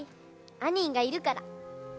アニーがいるから。